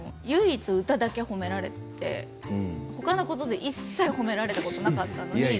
唯一歌だけ褒められてほかのことで一切褒められたことなかったのに。